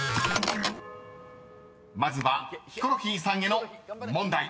［まずはヒコロヒーさんへの問題］